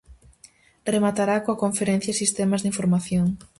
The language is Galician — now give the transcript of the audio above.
Rematará coa conferencia Sistemas de información.